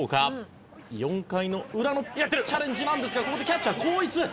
「４回のウラのチャレンジなんですがここでキャッチャー後逸！」